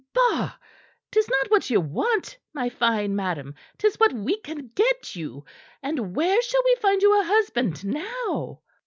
Bah! 'Tis not what ye want, my fine madam; 'tis what we can get you; and where shall we find you a husband now?"